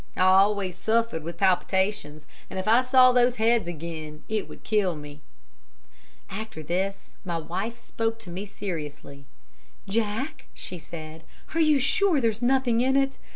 I always suffered with palpitations, and if I saw those heads again, it would kill me." After this my wife spoke to me seriously. "Jack," she said, "are you sure there's nothing in it?